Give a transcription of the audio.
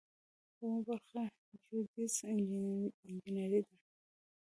اوومه برخه جیوډیزي انجنیری ده.